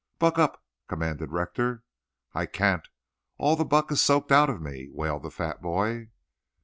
"Buck up!" commanded Rector. "I can't. All the buck is soaked out of me," wailed the fat boy.